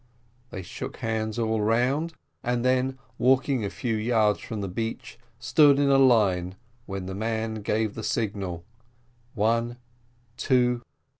They shook hands all round, and then walking a few yards from the beach, stood in a line while the man gave the signal one two.